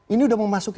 ini udah memasuki